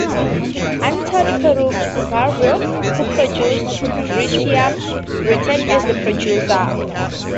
Antony Perumbavoor who produced "Drishyam" returns as the producer.